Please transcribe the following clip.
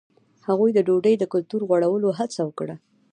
هغوی د ډوډۍ د کلتور د غوړولو هڅه وکړه.